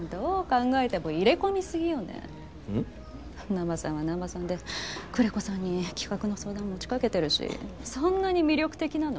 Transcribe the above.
南波さんは南波さんで久連木さんに企画の相談持ちかけてるしそんなに魅力的なの？